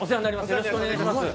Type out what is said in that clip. よろしくお願いします。